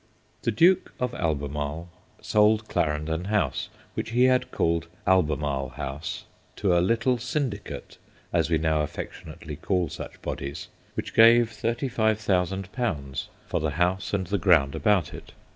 The Duke of Albemarle sold Clarendon House, which he had called Albemarle House, to a 'little syndicate' as we now affectionately call such bodies which gave 35,000 for the house and the ground about it.